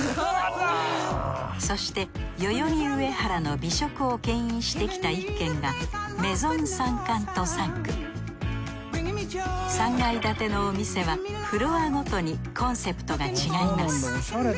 そして代々木上原の美食を牽引してきた１軒が３階建てのお店はフロアごとにコンセプトが違います。